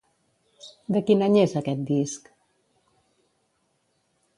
De quin any és aquest disc?